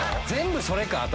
全部、それか！